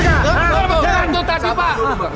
sabar dulu bang